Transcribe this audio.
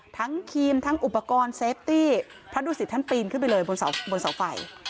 ครีมทั้งอุปกรณ์เซฟตี้พระดุสิตท่านปีนขึ้นไปเลยบนเสาไฟ